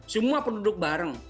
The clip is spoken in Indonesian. semua penduduk bareng